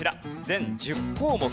全１０項目。